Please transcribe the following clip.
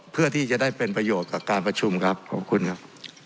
เพื่อที่จะได้เป็นประโยชน์กับการประชุมครับขอบคุณครับ